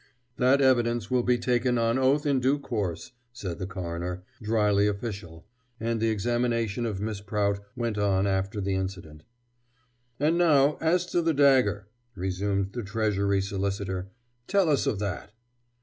"That evidence will be taken on oath in due course," said the coroner, dryly official, and the examination of Miss Prout went on after the incident. "And now as to the dagger," resumed the Treasury solicitor, "tell us of that."